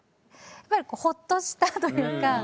やっぱりほっとしたというか。